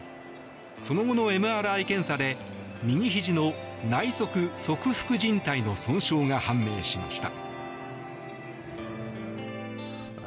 その後のＭＲＩ検査で右ひじの内側側副じん帯の損傷が判明しました。